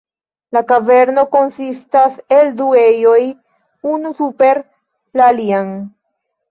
La kaverno konsistas el du ejoj, unu super la alian.